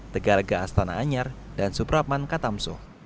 tegaraga astana anyar dan suprapan katamso